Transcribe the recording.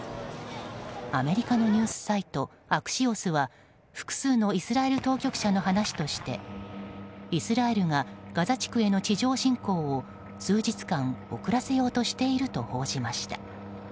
アメリカのニュースサイトアクシオスは複数のイスラエル当局の話としてイスラエルがガザ地区への地上侵攻を数日間、遅らせようとしていると報じました。